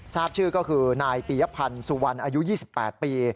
ทราบชื่อก็คือนายปียพันธ์สุวรรณอายุ๒๘ปี